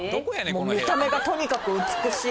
見た目がとにかく美しい。